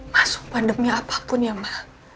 mas sumpah demi apapun ya ma